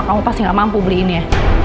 kamu pasti gak mampu beli ini ya